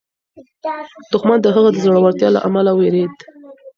دښمن د هغه د زړورتیا له امله وېرېد.